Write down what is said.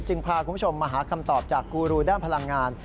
พาคุณผู้ชมมาหาคำตอบจากกูรูด้านพลังงาน